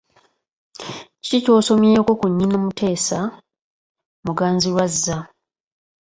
Kiki ky'osomyeko ku nnyina Muteesa, Muganzirwazza?